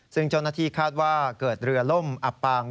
ซึ่งเจ้าหน้าที่คาดว่าเกิดเรือล่มอับปาง